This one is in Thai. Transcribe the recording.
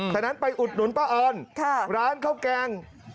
ฉะนั้นไปอุดหนุนป้าออนร้านข้าวแกง